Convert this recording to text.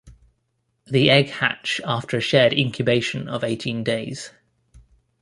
The egg hatch after a shared incubation of eighteen days.